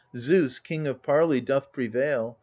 Zeus, king of parley, doth prevail.